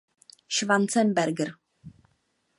Schwarzenberg.